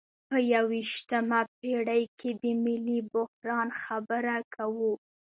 په یویشتمه پیړۍ کې د ملي بحران خبره کوو.